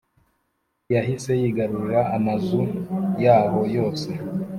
yahise yigarurira amazu yahoo yose